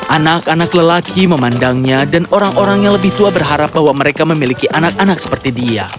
anak anak lelaki memandangnya dan orang orang yang lebih tua berharap bahwa mereka memiliki anak anak seperti dia